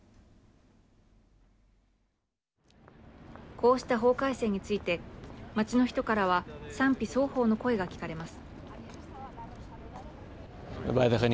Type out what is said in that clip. こうした法改正について街の人からは賛否双方の声が聞かれます。